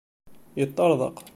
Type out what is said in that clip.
Yeṭṭerḍeq.